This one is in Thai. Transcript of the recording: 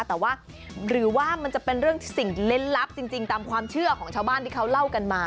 แต่ว่าหรือว่ามันจะเป็นเรื่องสิ่งเล่นลับจริงตามความเชื่อของชาวบ้านที่เขาเล่ากันมา